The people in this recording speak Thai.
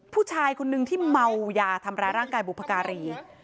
ผู้ชายคนนึงที่เมายาทำร้ายร่างกายบุพการี